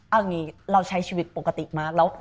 เอาอย่างนี้เราใช้ชีวิตปกติมาก